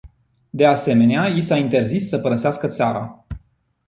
De asemenea, i s-a interzis să părăsească țara.